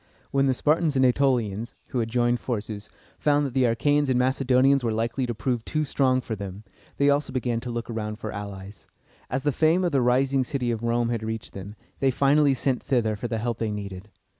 When the Spartans and Ætolians, who had joined forces, found that the Achæans and Macedonians were likely to prove too strong for them, they also began to look around for allies. As the fame of the rising city of Rome had reached them, they finally sent thither for the help they needed.